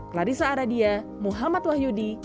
clarissa aradia muhammad wahyu dik